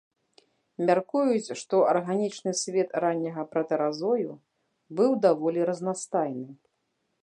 Мяркуюць, што арганічны свет ранняга пратэразою быў даволі разнастайны.